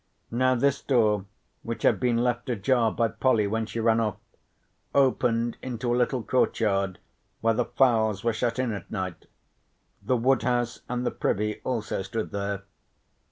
Now this door, which had been left ajar by Polly when she ran off, opened into a little courtyard where the fowls were shut in at night; the woodhouse and the privy also stood there.